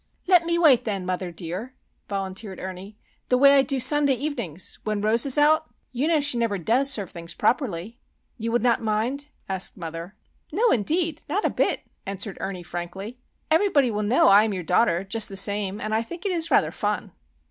"Let me wait then, mother dear," volunteered Ernie. "The way I do Sunday evenings when Rose is out. You know she never does serve things properly." "You would not mind?" asked mother. "No, indeed; not a bit," answered Ernie, frankly. "Everybody will know I am your daughter, just the same, and I think it is rather fun."